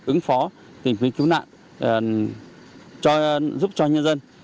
ứng phó tìm kiếm cứu nạn giúp cho nhân dân